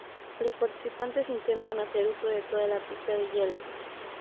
Los participantes intentan hacer uso de toda la pista de hielo.